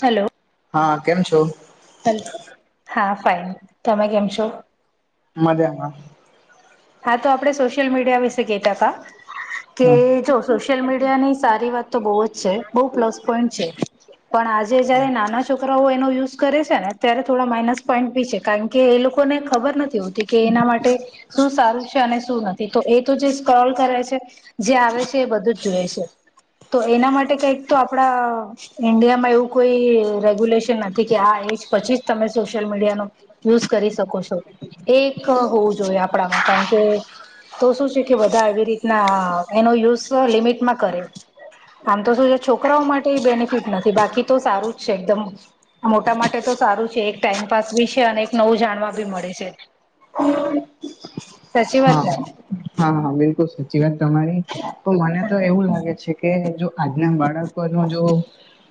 Hello- હા કેમ છો- હલો હા ફઇન તમે કેમ છો- મજામાં હા તો આપણે સોશિયલ મીડિયા વિશે કતા હતા કે હા જો- સોશિયલ મીડિયા ની સારી વાત તો બહુ જ છે બહુ પ્લસ પોઈન્ટ છે. પણ આજે જયારે નાના છોકરાઓ એનો યુઝ કરે છે ને ત્યારે થોડા માઈનસ પોઈન્ટ બી છે. કારણ કે એ લોકોને ખબર નથી હોતી કે એના માટે- શું સારું છે અને શું નથી તો એ તો જે સ્ક્રોલ કરે છે. જે આવે છે એ બધું જ જોએ છે તો એના માટે કઈક તો આપડા- ઇન્ડિયામાં એવું રેગ્યુલેશન નથી કે આ એજ પછી જ સોશિયલ મીડિયા નો - યુઝ કરી શકો છો એ એક હોવું જોઈએ આપણામાં કારણ કે- તો શું છે કે બધા એવી રીતના એનો યુઝ લિમિટમાં કરે- આમ તો શું છે છોકરાઓ માટે બેનિફિટ નથી બાકી તો જ છે એકદમ- મોટા માટે તો સારું છે એકટાઈમપાસ બી છે અને નવું જાણવા બી મળે છે. સાચી વાત હા ને હા હા બિલકુલ સાચી વાત તમારી- તો મને તો એવું લાગે છે કે જો આજના બાળકો ન જો-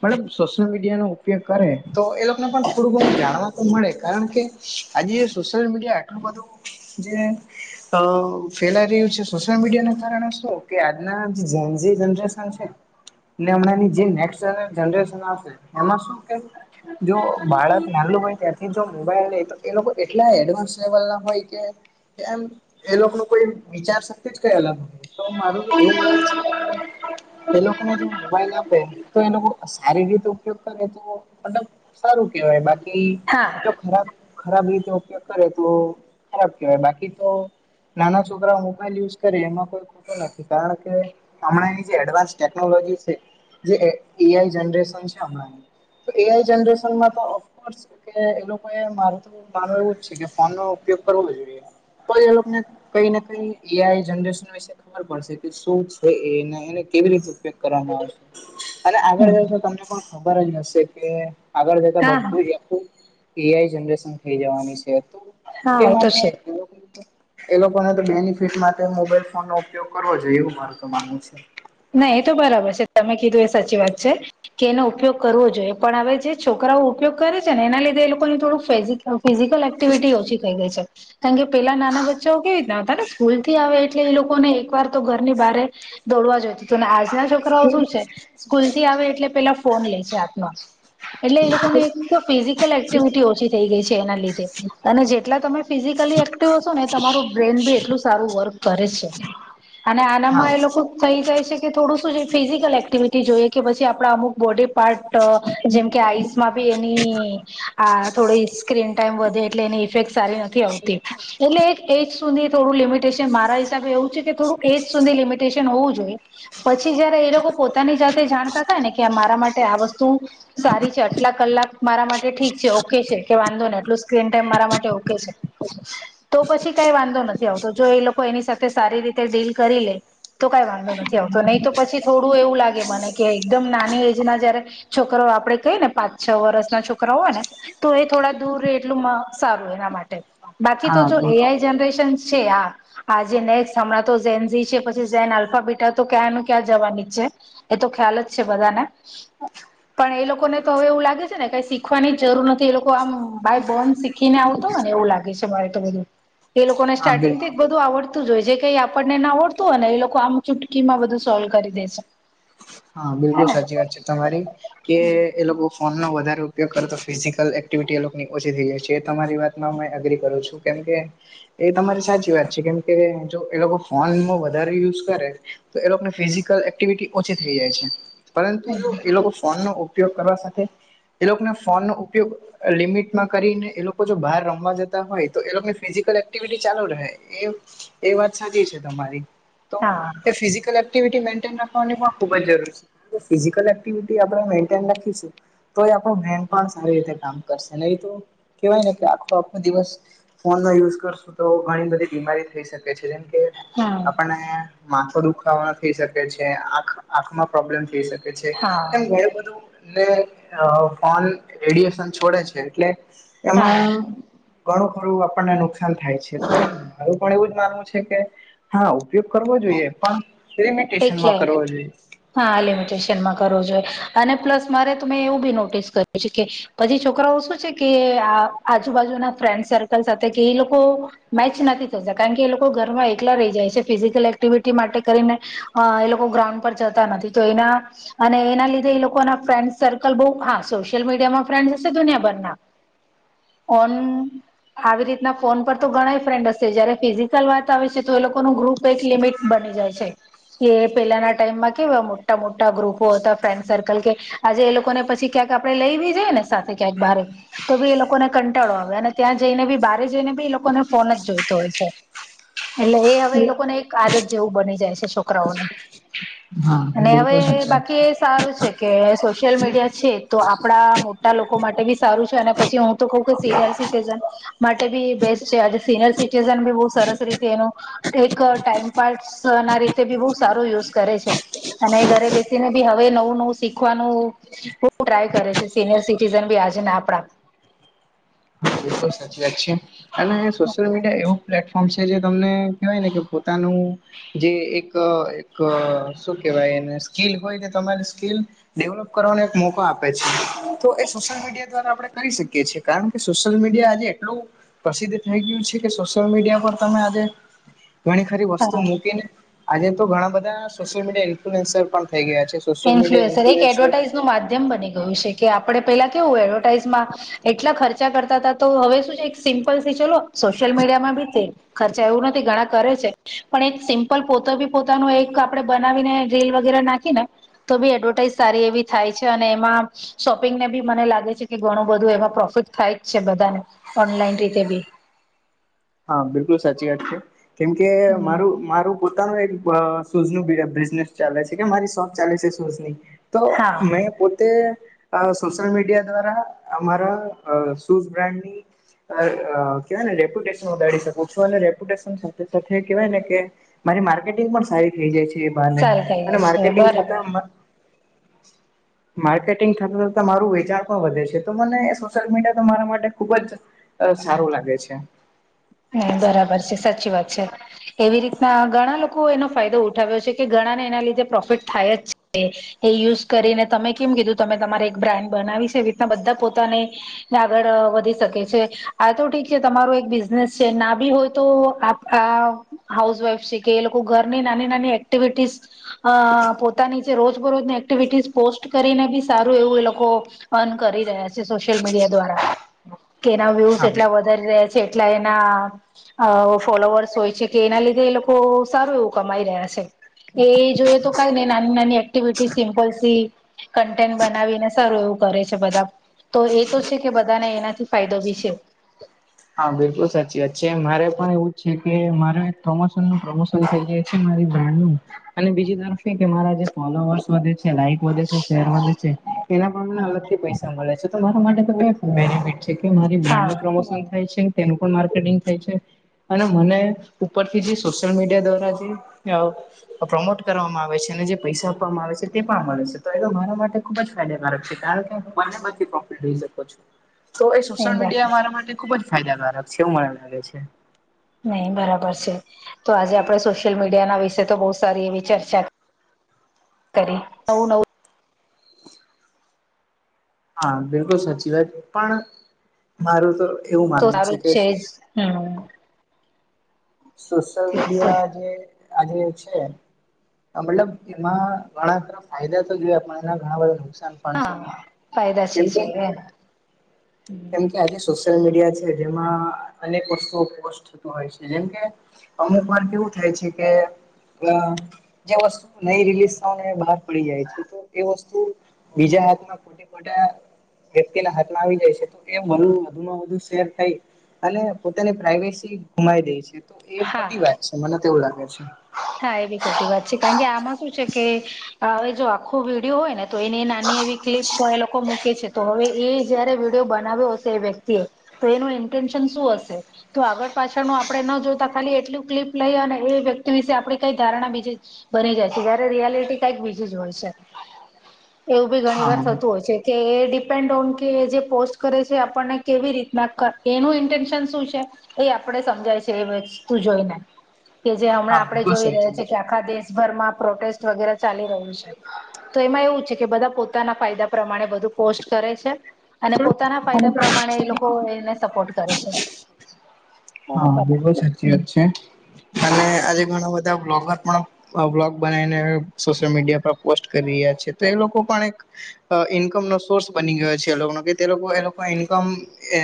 મબ સોશિયલ મીડિયા નો ઉપયોગ કરે તો એ લોકોને પણ થોડું ઘણું જાણવા તો મળે- કારણ કે આજે સોશલ મીડીયા આટલું બધું જે ફેલાઈ રહ્યું છે સોશિયલ મીડિયાને કારણે શું કે આજના જેન જી જનરેશન છે એટલે હમણાંની જે નેક્સ્ટ જનરેશન આવશે એમાં શું કે જો બાળક નાનું હોય ત્યાંથી જો મોબાઈલ લે તો એ લોકો એટલા એડવાન્સ લેવલ ના હોય કે કે એમ એ લોકો ન કોઈ વિચાર શક્તિ જ કઈ અલગ હો તો મારું એવું માનવું છે કે એ લોકોને મોબાઈલ એ લોકો સારી રીતે ઉપયોગ કરે તો મતલબ સારું કેવાય બાકી હા ખરાબ રીતે ઉપયોગ કરે તો ખરાબ કેવાય બાકી તો નાના છોકરા મોબાઈલ યુઝ કરે એમાં કોઈ ખોટો નથી કારણ કે હમણાંની જે એડવાન્સ ટેકનોલોજી છે જે એ એઆઈ જનરેશન છે હમણાંની તો એ આઈ જનરેશન માં તો ઓફ કોર્સ કે એ લોકો એ માર તો એવું જ છે કે ફોન નો ઉપયોગ કરવો જોઈએ પણ એ લોક કઈને કઈ એ આઈ જનરેશન વિશે ખબર પડશે કે શું છે એને એને કેવી રીતે ઉપયોગ કરવામાં આવે છે અને આગળ જઈ તો તમને પણ ખબર જ હશે કે આગળ જતા હા હા બધું જ આખું એઆઈ જનરેશન થઈ જવાનું છે હા એ તો માટે છે એ લોકો એ લોકોને તો બેનિફિટ માટે મોબાઈલ ફોન નો ઉપયોગ કરવો જોઈએ એવું મારું તો માનવું છે ના એ તો બરાબર છે તમે કીધું એ સાચી વાત છે કે એનો ઉપયોગ કરવો જોઈએ પણ હવે જે છોકરાઓ ઉપયોગ કરે છે ને એના લીધે એ લોકોને થોડુંક ફિઝિકલ એક્ટિવિટી ઓછી થઈ ગઈ છે કારણ કે પેલા નાના બચ્ચાઓ કેવી રીતના હતા ને સ્કૂલ થી આવે એટલે એ લોકો ને એક વાર તો ઘરની બારે દોડવા જોયતું તું ને આજના છોકરાઓ શું છે સ્કૂલ થી આવે એટલે પેલા ફોન લે છે હાથ માં એટલે એ લોકોને એક તો ફિઝિકલ એક્ટિવિટી ઓછી થઈ ગઈ છે એના લીધે અને જેટલા તમે ફિઝિકલી એક્ટિવ હશો ને તમારું બ્રેન બી એટલું સારું વર્ક કરે છે અને આના હા માં એ લોકો થઈ જાય છે કે થોડું શું છે ફિઝિકલ એક્ટિવિટી જોઈએ કે પછી આપડા અમુક બોડી પાર્ટ જેમ કે આઈસ માબી એની આ થોડી સ્ક્રીન ટાઈમ વધે એટલે એની ઇફેક્ટ સારી નથી આવતી એટલે એક એજ સુધી થોડું લિમિટેશન મારા હિસાબે એવું છે કે થોડુંક એજ સુધી લિમિટેશન હોવું જોઈએ પછી જયારે એ લોકો પોતાની જાતે જાણતા થાય ને કે મારા માટે આ વસ્તુ સારી છે આટલા કલાક મારા માટે ઠીક છે ઓકે છે કે વાંધો નહીં આટલો સ્ક્રીન ટાઈમ મારા માટે ઓકે છે. તો પછી કાઈ વાંધો નથી આવતો જો એ લોકો એની સાથે સારી રીતે ડીલ કરી લે તો કાઈ વાંધો નથી આવતો નહી તો પછી થોડું એવું લાગે મને કે એકદમ નાની એજ ના જયારે છોકરો આપડે કઈ ને પાંચ છ વર્ષ ના છોકરા હોય ને તો એ થોડા દૂર રે એટલું સારું એના માટે બાકી તો હા જો બિલકુલ એઆઈ જનરેશનશ છે હા આજે નેક્સ્ટ હમણાં તો જેન ઝી છે પછી જેન આલ્ફા બીટ તો ક્યાંનું ક્યાં જવાની જ છે એ તો ખ્યાલ જ છે બધાને પણ એ લોકોને તો હવે એવું લાગે છે ને કઈ શીખવાની જરૂર નથી એ લોકો આમ બાય બોન શી ખીને આવતો હો ને એવું લાગે છે મારે તો બધું એ લોકોને હા બે સ્ટાર્ટિંગ થી જ બધું આવડતું જ હોય જે કઈ આપણને ના આવડતું હોય એ લોકો આમ ચુટકીમાં બધું સોલ્વ કરી દેશે હા બિલકુલ હેને સાચી વાત છે તમારી કે એ લોકો ફોનનો વધારે ઉપયોગ કરો તો ફિઝિકલ એક્ટિવિટી એ લોકની ઓછી થઈ જાય છે એ તમારી વાતમાં હું એગ્રી કરું છું. કેમ કે એ તમારી સાચી વાત છે કેમકે જો એ લોકો ફોનમાં વધારે યુઝ કરે એ લોકોને ફિઝિકલ એક્ટિવિટી ઓછી થઈ જાય છે પરંતુ જો એ લોકો ફોનનો ઉ ઉપયોગ કરવા સાથે એ લોકોના ફોનનો ઉપયોગ લિમિટમાં કરીને એ લોકો જો બહાર રમવા જતા હોય તો એ લોકોની ફિઝિકલ એક્ટિવિટી ચાલુ રહે એ એ વાત સાચી છે તમારી હા તે ફિઝિકલ એકટીવેટી મેન્ટેન રાખવાની પણ ખુબજ જરૂરી છે ફિઝિકલ એક્ટિવિ આપણે મેન્ટન રાખીશું તો એ આપણ માઈન્ડપણ સારી રીતે કામ કરશે એ કેવાયને કે આખો આખો દિવસ ફોનનો યુઝ કરશું તો ઘણી બધી બીમારી થઈ શકે છે જેમ કે હા આપણને માથો દુખાવાનો થઈ શકે છે આંખ આંખમાં પ્રોબ્લેમ થઈ શકે થઈ શકે છે હા તેમ ઘણું બધું ને ફોન રેડિયેશન છોડે છે એટલે હા એમાં ઘણું ખરું આપણને નુકસાન થાય છે તો મારું પણ એવું જ માનવું છે કે હા ઉપયોગ કરવો જોઈએ પણ લિમીટેશનમાં એટલે કરવો જોઈએ હા લિમિટેશનમાં કરવો જોઈએ અને પ્લસ મારે તમે એવુંબી નોટિસ કર્યું છે કે પછી છોકરાઓ શું છે કે આ આજુબાજુના ફ્રેન્ડ સર્કલ સાથે કે એ લોકો મેચ નથી થતા કારણ કે એ લોકો ઘરમાં એકલા રહી જાય છે ફિઝિકલ એક્ટિવિટી માટે કરીને અ એ લોકો ગ્રાઉન્ડ પર જતા નથી તો એના અને એના લીધે એ લોકોના ફ્રેન્ડસ સર્કલ બહુ હા સોશિયલ મીડિયામાં ફ્રેન્ડ્સ હશે દુનિયાભરના ઓન આવી રીતના ફોન પર તો ઘણાય ફ્રેન્ડ હશે જયારે ફિઝિકલ વાત આવે છે તો એલોકોનું ગ્રુપ એક લિમિટ બની જાય છે. કે પેલાના ટાઈમમાં કેવા મોટા મોટા ગ્રુપો હતા ફ્રેન્ડસર્કલ કે આજે એલોકોને પછી ક્યાંક આપડે લઈ બી જઈએને સાથે ક્યાંક બારે તો બી એલોકોને કંટાળો આવે અને ત્યાં જઈને બી બહાર જઈને બી એલોકોને ફોનજ જોઈતો હોય છે. એટલે એ હવે એલોકોને એક આદત જેવું બની જાય છે છોકરાઓને હા અને હવે બિલકુલ સાચી વાત બાકીએ સારું છે કે સોશિયલ મીડિયા છે તો આપણા મોટા લોકો માટે બી સારું છે અને પછી હું તો કઉંકે સિનિયર સિટીઝન માટે બી બેસ્ટ છે આજે સિનિયર સિટીઝન બી બહુ સરસ રીતે એનું એક ટાઈમ પાર્ટ્સના રીત તે બી બહુ સારો યુઝ કરે છે અને ઘરે બેસીને બી હવે નવું નવું શીખવાનું હું ટ્રાય કરે છે સિનિયર સિટીઝનબી આજના આપડા બિલકુલ સાચી વાત છે અને સોશિયલ મીડિયા એવું પ્લેટફોર્મ છે જે તમને કહેવાયને કે પોતાનું જે એક એક શું કેહેવાય એને સ્કીલ હોય તમારી સ્કીલ ડેવલપ કરવાનો એક મો કો આપે છે તો એ સોસીયલ મીડિયા દ્વારા આપણે કરી શકી છીએ કારણ કે સોશિયલ મીડિયા એટલું પ્રસિદ્ધ થઈ ગયું છે કે સોશિયલ મીડિયા પર તમે આજે ઘણી ખરી હા વસ્તુ મૂકીને આજે તો ઘણા બધા સોશિયલ મીડિયા ઇન્ફ્લુઅન્સર પણ થઈ ગયા છે. સોશિયલ મીડિયા ઇન્ફ્લુએન્સર એક એડવરટાઈઝનું માધ્યમ બની ગયું છે કે આપણે પેલા કેવું એડવર્ટાઈઝમાં એટલા ખર્ચા કરતા તા તો હવે શુ છે એક સિમ્પલથી ચલો સોસીયલ મીડિયામાંબી તે ખર્ચા એવું નથી ઘણા કરે છે પણ એક સિમ્પલ પોતેબી પોતાનું એક આપડે બનાવીને રીલ વગેરે નાખીને તોબી એડવર્ટાઈઝ સારી એવી થાયછે અને એમાં શોપિંગનેબી મને લાગે છે કે ઘણું બધું એમાં પ્રોફિટ થાય જ છે બધાને ઓનલાઈન રીતે બી હા બિલકુલ સાચી વાત છે કેમ કે મારું મારું પોતાનું એક બ શુઝનું બિઝનેસ ચાલે છે કે મારી શોપ ચાલે છે શુઝની તો હા મેં પોતે અહ સોશિયલ મીડિયા દ્વારા અમારા અહ શુઝ બ્રાન્ડની અહ અહ કેવાય ને રિપ્યુટેશન લડી શકું છું અને રેપ્યુટેશન સાથે સાથે કેવાય ને કે મારી માર્કેટિંગ પણ સારી થઈ જાય છે એ બહાને સારું થઈ અને જશે માર્કેટિંગ થતા બરાબર [unintelligible] માર્કેટિંગ થતા થતા મારું વેચાણ પણ વધે તો મને સોશિયલ મીડિયા તો મારા માટે ખુબ જ અહ સારું લાગે છે. હમ્મ, બરાબર છે સાચી વાત છે એવી રીતના ઘણા લો કો એનો ફાયદો ઉઠાવ્યો છે કે ઘણા ને એના લીધે પ્રોફિટ થાય જ છે એ યુઝ કરીને તમે કેમ કીધું તમે તમારે એક બ્રાન્ડ બનાવી છે એવી રીતના બધા પોતાને ને આગળ વધી શકે છે આ તો ઠીક છે તમારો એક બીજ નેસ છે ના બી હોય તો આપડા હાઉસ વાઈફ છે કે એ લોકો ઘરની નાની નાની એક્ટિવિટીઝ અહ પોતાની જે રોજ બરોજની એક્ટિવિટીઝ પોસ્ટ કરીને બી સારું એવું એ લોકો અર્ણ કરી રહ્યા છે સોશિયલ મીડિયા દ્વારા કે એના વ્યુસ હા એટલા વધારી રહ્યા છે એટલા એના અહ ફોલોવર્સ હોય છે કે એના લીધે એ લોકો સારું એવું કમાઈ રહ્યા છે. એ જોઈએ તો કઈ નઈ નાની નાની એક્ટિવિટી સિમ્પલસી કન્ટેન્ટ બનાવીને સારું એવું કરે છે બધા. તો એ તો છે કે બધાને એનાથી ફાયદો બી છે. હા બિલકુલ સાચી વાત છે. મારે પણ એવું જ છે કે મારે પ્રમોશનનું પ્રમો શન થઈ ગયું છે મારી બ્રાન્ડનું અને બીજી તરફ એ કે મારા જે ફોલોવર્સ વધે છે, લાઈક વધે છેે, શેર વધે છે એના પણ મને અલગથી પૈસા મળે છે તો મારા માટે તો બેસ્ટ બેનિફિટ છે કે મારી હા બ્રાન્ડનું પ્રમોશન થાય છે, તેનું પણ માર્કેટિંગ થાય છે અન મને ઉપરથી જે સોશિયલ મીડિયા દ્વારા જે અ અ પ્રમોટ કરવામાં આવે છે અને જે પૈસા આપવામાં આવે છે તે પણ આ મળે છે તો [unintelligible] મારા માટે ખુબ જ ફાયદાકારક છે કારણ કે હું બંને [unintelligible] પ્રોફિટ રહી શકતો [inaudible] તો એ સોશિયલ મીડિયા મારા માટે ખુબ જ ફાયદાકારક છે એવું મને લાગે છે. નહી બરાબર છે તો આજે આપડે સોશિયલ મીડિયાના વિશે તો બહુ સારી એવી ચર્ચા કરી. નવું નવું હા, બિલકુલ સાચી વાત પણ મારું તો એવું તો માનવું સારું જ કે છે એજ હમ્મ. સોશલ ઠીક છે મીડિયા આજે આજે છે મતલબ એમાં ઘણાખરા ફાયદા તો જોયા પણ એના ઘણા બધા નુકસાન પણ છે હા ફાયદા છે કેમ કે છે એમ કેમ કે આજે સોશિયલ મીડિયા છે જેમાં અનેક વસ્તુઓ પોસ્ટ થતું હોય છે જેમકે અમુક વાર કેવું થાય છે કે અ જ્યાં વસ્તુ નહી રિલીઝ થવાની હોય બહાર પડી જાય છે તો એ વસ્તુ બીજા હાથમાં મોટા વ્યક્તિના હાથમાં આવી જાય છે [unintelligible] વધુમાં વધુ શેર થઈ અને પોતાની પ્રાઈવેસી ગુમાઈ દે છે. એ ખોટી હા વાત છે મને તો એવું લાગે છે. હા, એ બી ખોટી વાત છે કારણ કે આમાં શું છે કે હવે જો આખો વિડીયો હોય ને તો એની એ નાની એવી ક્લિપ હોય એ લોકો મૂકે છે તો હવે એ જયારે વિડીયો બનાવ્યો હશે એ વ્યક્તિએ તો એનું ઇન્ટેન્શન શું હશે? તો આગળ પાછળનું આપડે ન જોતા ખાલી એટલું ક્લિપ લઈ અને એ વ્યક્તિ વિશે આ પડી કઈ ધારણા બીજી જ બની જાય છે જયારે રિયાલિટી કઈક બીજી જ હોય છે. એવું બી ઘણી વાર હા થતું હોય છે. કે એ ડિપેન્ડ ઓન કે જે પોસ્ટ કરે છે આપણને કેવી રીતના કર, એનું ઇન્ટન્શન શું છે? એ આપડે સમજાય છે એ વસ્તુ જોઈને કે જે હમણાં હા આપડે બિલકુલ જોઈ રહે સાચી છે વાત કે આ ખા દેશભરમાં પ્રોટેસ્ટ વગેરે ચાલી રહ્યું છે તો એમાં એવું છે કે બધા પોતાના ફાયદા પ્રમાણે બધું પોસ્ટ કરે છે અને પોતાના ફાયદા પ્રમાણે એ લોકો એને સપોર્ટ કરે છે. હા, બરાબર ને? બિલકુલ સાચી વાત છે અને આજે ઘણા બધા બ્લોગર પણ આ બ્લોગ બણાઈને સોશિયલ મીડિયા પર પોસ્ટ કરી રહ્યા છે તો એ લોકો પણ એક અ ઈન્કમનો સોર્સ બની ગયો છે એ લોકોનો કે તે લોકો એ લોકો ઈન્કમ એ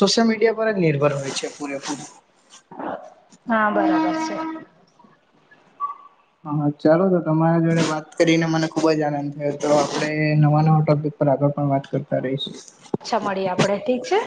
સોશિયલ મીડિયા પર જ નિર્ભર હોય છે પૂરેપૂરું. હા, બરાબર છે. હા હા, ચાલો તો તમારા જોડે વાત કરીને મને ખુબ જ આનંદ થયો તો આપે નવા નવા ટોપિક પર આગળ પણ વાત કરતા રહીશું. અચ્છા મડીએ આપડે ઠીક છે.